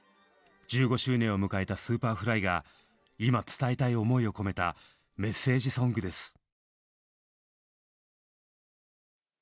１５周年を迎えたＳｕｐｅｒｆｌｙが今伝えたい思いを込めたメッセージソングです。